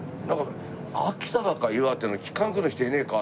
秋田だか岩手の機関区の人いねえか？